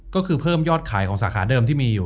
ก็คือเพิ่มยอดขายของสาขาเดิมที่มีอยู่